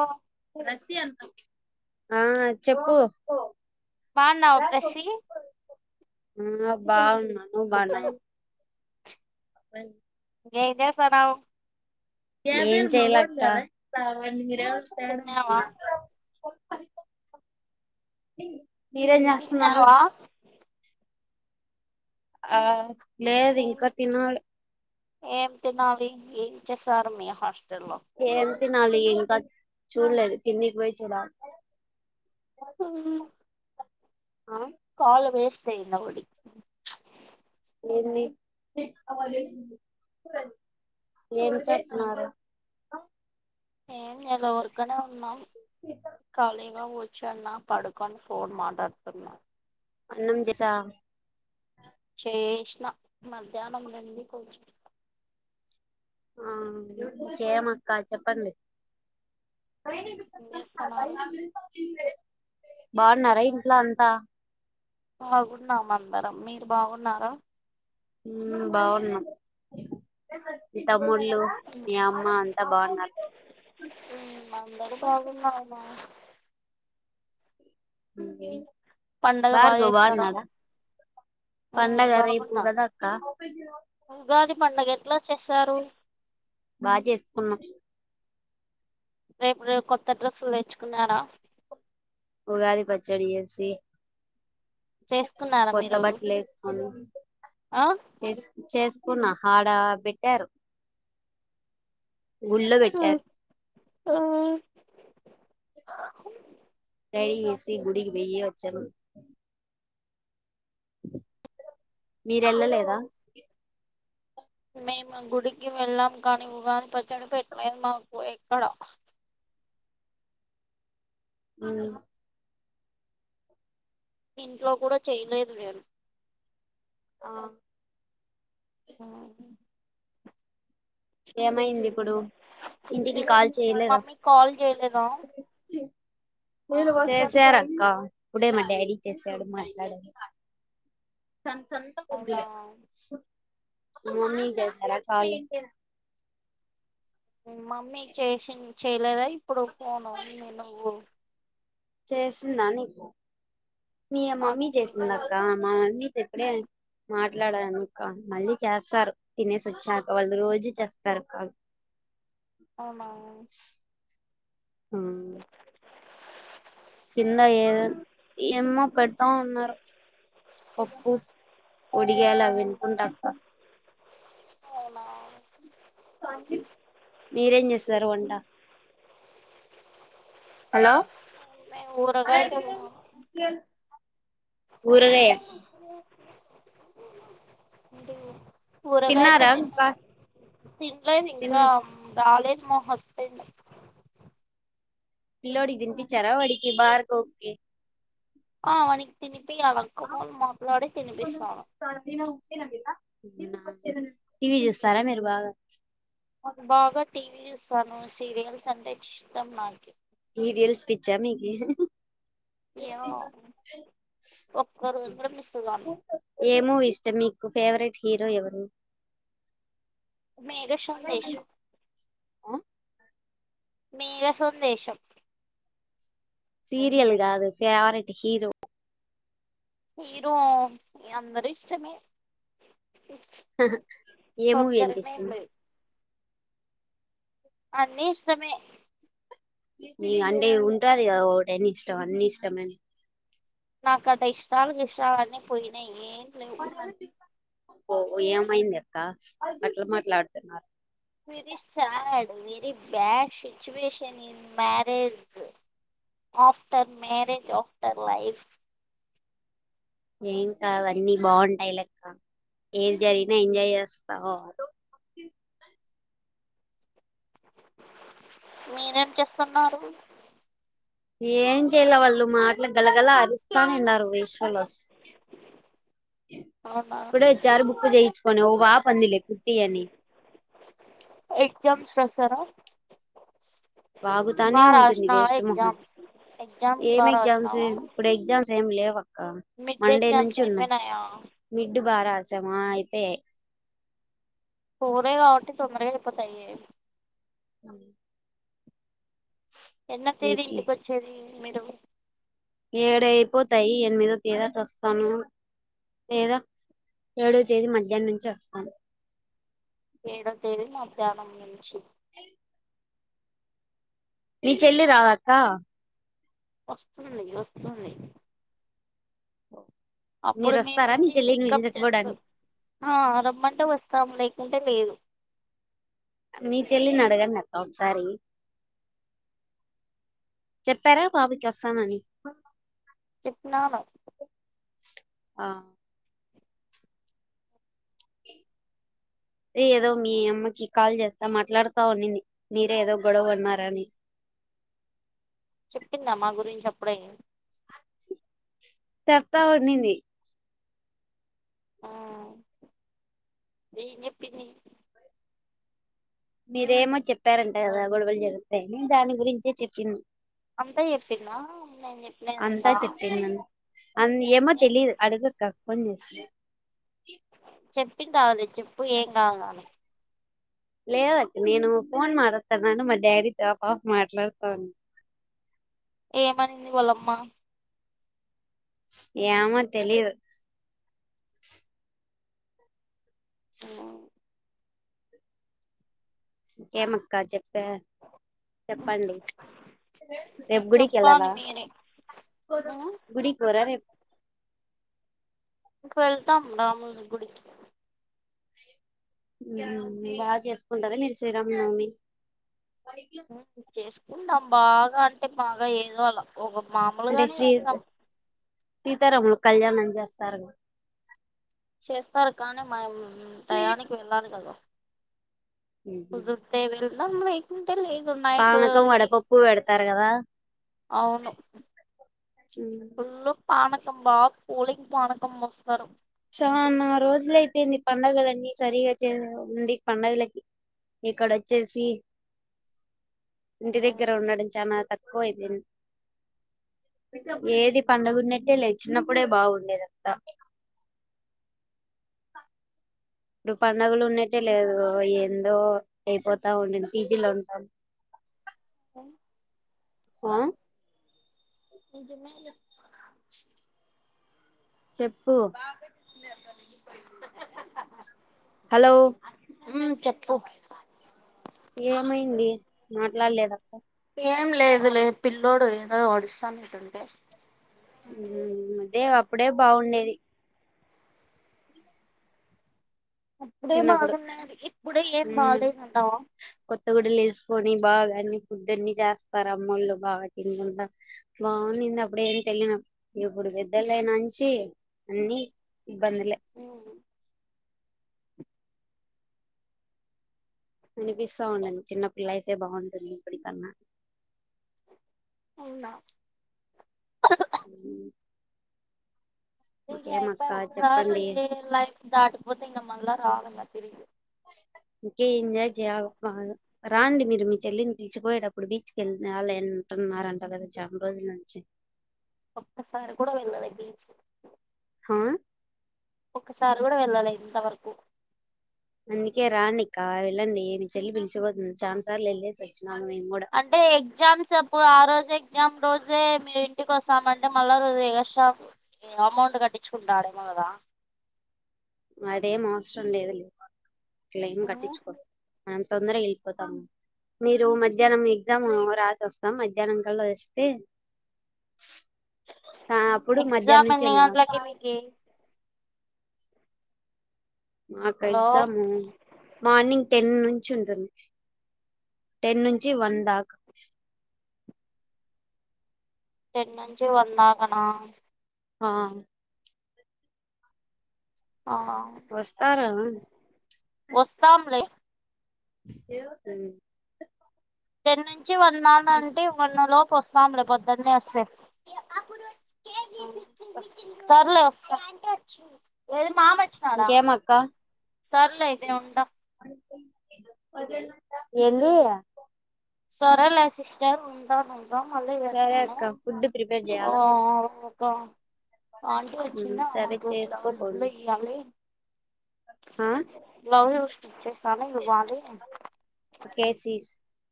ఓ రస్సిీ అంత ఆ చెప్పు బాగున్నావ ప్రసి ఆ బాగున్నాను నువ్వు బాగున్నావ్ అబాయిలు ఏం చేస్తన్నావ్ ఏం చెయ్యాలా అక్క తిన్నావా [unintelligible] [unintelligible] మీరేం చేస్తున్నారు తిన్నావా ఆ లేదు ఏం ఇంకా తినాలి ఏం తినలీ ఏం చేసారు మీ హస్ స్టాల్ లో ఏం తినాలి ఇంకా చూడలేదు కిందికి పోయి చూడాలి ఉమ్ ఆ కాలు వేస్ట్ అయింది ఒకటి లేదు ఏమి చేస్తున్నారు ఏం చెయ్యాలా ఉర్కేనే ఉన్నాం ఖాళీగా క్ష పడుకం ఫోన్ మాట్లాడున్న అన్నం చేశా చేష్ణ మధ్యాహ్నం ది ఉంది కొంచెం ఆ చేయమక్క చెప్పండి ఏం చేస్తున్నారు బాగున్నారా ఇంట్లో అంతా బాగున్నాం అందరం మీరు బాగున్నారా ఉమ్ బావునం తమ్ముళ్ళు మీ అమ్మ అంతా బాగున్నారు అందరు బాగున్నాము ఉమ్ పండగ బాగా భార్గవ్ చేస్తారా బాన్నాడా పండగ రేపు బాగున్నాం కదా అక్క ఉగాది పండుగ ఎట్లా చేశారు బాగా చేసుకున్నా రేపు ర కొత్త డ్రెస్సులు తెచ్చుకున్నారా ఉగాది పచ్చడి చేసి చేసుకున్నారా కొత్త మీరు బట్టలు ఏసుకొని ఆ చెస్ చెస్ కున్న హడ పెట్టారు గుళ్లో బెట్టారు రెడి చేసి గుడికి పొయ్యి వచ్చాము మీరెళ్ళలేద మేము గుడికి వెళ్ళాం కాని ఉగాది పచ్చడ పెట్టలేదు మాకు ఎక్కడ ఉమ్ ఇంట్లో కూడ చేయలేదు నేను ఆ ఉహు ఏమైంది ఇప్పుడు ఇంటికి కాల్ చేయలేద మమ్మీ కాల్ చేయలేదా చేసారు అక్క ఇప్పుడే మా డాడీ చేసాడు మాట్లాడ సంత సంత అవునా కొద్దిగే మమ్మీ చేసార కాల్ మమ్మీ చేసింది చేయలేద ఇ ఇప్పుడు ఫోను మి నువ్వు చేసిందా నీకు మీ నాకు మమ్మీ చేసింది చేయలేదు అక్క మా మమ్మీ ఇప్పుడే మాట్లాడాను అక్క మళ్ళీ చేస్తారు తినేసి వచ్చాక వాళ్ళు రోజు చేస్తారు కాల్ అవునా ఆ కింద ఏదో ఏమో పెడతా ఉన్నారు పప్పు ఒడియాలు అవి ఇనుకుంటా అక్క అవునా మీరేం చేస్తారు వంట హలో మేం ఊరగాయతో తిన్నం ఊరగాయ అంటే ఊరగాయతో తిన్నారా ఇంకా తిన్నాము తినలేదు తిన్న ఇంకా రాలేదు మా హస్బెండ్ పిల్లోడికి తినిపించారా వాడికి భార్గవ్ కి ఆ వానికి తినిపి అప్పి అల్లక్క ఫోన్ మాట్లాడి తినిపిస్తాను టీవీ చూస్తారా మీరు బాగా బాగా టీవీ చూస్ సను సీరియల్స్ అంటే ఇష్టం నాకి సీరియల్స్ పిచ్చా మీకి ఏమో ఒక్క రోజు కూడా మిస్ కాను ఏమూ ఇష్టం మీకు ఫేవరెట్ హీరో ఎవరు మేఘ సందేశం మీర సందేశం సీరియల్ కాదు ఫేవరెట్ హీరో ఇరు అందరు ఇష్టమే ఏమ ఎంత ఒక్కరనే చ ఏం లేదు అన్నీ ఇష్టమే మీ అంటే ఉంటా అది కదా ఒకటిన్ని ఇష్టం అన్ని ఇష్టమని నాకట్ట ఇష్టాలు ఇష్ట అన్న పోయినా పదిమంధిని పిలుస్తా ఏమైంది అక్క అట్లా మాట్లాడుతున్నారు very sad very bad situation in marriage of the marriage టెర్ life ఏం కాదు అన్నీ బాగుంటాయి లెక్క ఏది జరిగినా ఎంజాయ్ చేస్తావు మీరేం చేస్తున్నారు ఏం చెయలే వాళ్ళు మాటలు గల గల ఆరిస్త మోథమ్ విన్నారు వశ్వలోస్ అవునా ఇప్పుడే వచ్చారు బుక్ చేయించుకని ఓ బా పందిలే కుట్టి అని ప్రసరా బాగుతానే ఉంటుంది వేస్ట్ మొహన్ ఎగ్జామ్స్ ఎగ్జామ్స్ ఏం బా ఎగ్జామ్స్ రాసినావా ఇప్పుడు ఎగ్జామ్స్ ఏమి లేవు మిడ్ మండే నుంచి ఎగ్జామ్స్ ఉన్నాయి అయిపోయినాయా మిడ్ బార చ్చేమా ఇపో కూరే కాబట్టి తొందరగా చెప్పతా అ ఎన్న తేదీ ఇంటికి వచ్చేది మీరు ఏడయిపోతాయి ఎనిమిదో తేదీ అ వస్తాను లేదా ఏడో తేదీ మధ్యాహ్నం నుంచి వస్తాను ఏడో తేదీ మధ్యాహ్నం నుంచి ఏ మీ చెల్లి రాదక్క వస్తుంది వస్తుంది అప్పుడు మీరు మేము వస్తారా మీ వచ్చి చెల్లిని పికప్ పిలుచుకుపోవడానికి చేస్తాం రమ్మంటే వస్తాము లైక్ అంటే లేదు మీ చెల్లిని అడగండి అక్క ఒకసారి చెప్పారా బాబుకి వస్తానని చెప్నాను ఆ ఏదో మీ అమ్మకి కాల్ చేస్తా మాట్లాడుతా ఉన్నింది మీరే ఏదో గొడవ పడ్నారు అని చెప్పిందా మా గురించి అప్పుడే చెప్తా ఉన్నింది ఆ ఏం చెప్పింది మీరేమో చెప్పారంటే కదా గొడవలు జరుగుతాయని దాని గురించే చెప్పింది అంతా చెప్పిందా నేను అంతా చెప్పినదంతా చెప్పింది నన్న అ ఏమో తెలీదు అడుగ అక్క ఫోన్ చేసి టదిలే చెప్పు ఏం గాదు గానీ లేదక్క నేను ఫోన్ మాట్లాడతానని మా డాడీ తో ఆహా ఆఫ్ మాట్లాడుతాను ఏమనింది వాలమ్మ ఏమో తెలీదు ఏమక్క చెప్ప చెప్పండి రేపు గుడికి చెప్పాలి వెళ్ళరా మీరే గుడి పోరా రేపు ఇ వెళతా రాము గుడికి బాగా చేసుకుంటారా మీరు శ్రీరామ నవమి కేసు ఉన్నాం బాగా అంటే బాగా ఏదో అలా ఒక అంటే మామూలుగానే శ్రీ చేస్తాం సీతారాముల కళ్యాణ అండి చేస్తారుగా చేస్తారు కానీ మ్యామ్ తయనికికి వెళ్ళాని కద ఉమ్. కుదురుతే వె తమ్ లేకున్ కుంటే లేదు నయిట్ పానకం వడపప్పు పెడతారు కదా అవును ఫుల్లు పానకం బాగా కూలింగ్ పానకం పోస్తారు చానా రోజులు అయిపోయింది పండగలన్నీ సరిగా చే ఉంది పండగలకి ఇక్కడ వచ్చేసి ఇంటి దగ్గర ఉన్నాడంచమా పోయిపోంది ఏది పడుగన్నట్టే లేచినప్పుడే బాగుండేద అంతా ఇప్పుడు పండుగలు ఉన్నట్టే లేదు ఏందో అయిపోతా ఉండంది పీజీలో ఉంటా స ఆ నిజమేలే చెప్పు కో హలో చెప్పు ఏమైంది మాట్లాడలేదక్క ఏం లేదు లే పిల్లోడు ఏదో ఒడిస్తాన్నట్ంటే అదే అప్పుడే బాగుండేది అప్పుడే చిన్నప్పుడు బాగున్నా ఇప్పుడే ఏం మ్మ్ బాగాలేదుంటావా కొత్త వేసుకొని బాగా అన్ని ఫుడ్ అన్ని చేస్తారు అమ్మొళ్ళు బాగా కిందంట బాగుంది అప్పుడు ఏం తెలియన ఇప్పుడు పెద్దలయినాంచి అన్ని ఇబ్బందిలే [inaudible] అనిపిస్తా ఉన్నది చిన్నప్పుడు లైఫే బాగుంటది ఇప్పటికన్నా అవునా ఉమ్ ఇంగ ఒకేమక్క అయిపోయి ఒకసారి చెప్పండి లైఫ్ దాటిపోతే ఇంగ మళ్ళా రాదింగ తిరిగి ఇంకే ఎంజాయ్ చేయాల బాగా రాండి మీరు మీ చెల్లిని పిలిచుక్ పోయేటప్ ఇప్పుడు బీచ్ కెల్నాలే అంటన్నారంటా కదా చాన రోజుల నుంచి ఒక్కసారి కూడా వెల్లలే బీచ్ హా ఒకసారి కూడా వెళ్ళలే ఇంతవరకు అందుకే రాండిక్క వెళ్ళండి మీ చెల్లి పిలిచిపోతుంది చాన సార్లు వెళ్ళేసొచ్చు అంటే ఎగ్జామ్స్ అప్పుడు ఆ రోజు ఎగ్జామ్ రోజే మీరు ఇంటికి వస్తామంటే మళ్ళా రోజు ఎగస్ట్రా అమౌంట్ కట్టించుకుంటాడేమో కదా అదేం అవసరంలేదు అట్లేం కట్టిచ్చుకోడు తొందరగా వెళ్ళిపోతాము మీరు మధ్యాహ్నం ఎగ్జామ్ రాసొస్తాం మధ్యాహ్నం కల్లా వస్తే సా- అప్పుడు మధ్యాహ్నం ఎక్జామ్ నుంచి ఎన్ని వెళ్ళినాం గంటలకి మికీ మాకు హలో ఎగ్జామ్ మార్నింగ్ టెన్ నున్ చుంటుంది టెన్ నుంచి వన్ దాకా టెన్ నుంచి వన్ దాకనా ఆ ఆ వస్తారా వస్తాంలే [unintelligible] టెన్ను చ్చి వన్ దాకంటే వన్నలోప్ పొస్తాంలే పొద్దున్నే వస్తే ఆ [unintelligible] ఇంకేమక్క సర్లే నేనుంటా ఎళ్లుయా సరేలే సిస్టర్ ఉంటాను మళ్ళీ సరే చేస్తాను అక్క ఫుడ్ ప్రిపేర్ ఆ చేయాలా మీరు గా ఆంటీ ఉమ్, వచ్చిందా సరే మాకు ఫ్లవర్ లో చేసుకోపోండి ఇయ్యాలి ఆ లవ్యూస్ ఇస్ స్థలం ఇవ్వాలి కేసీస్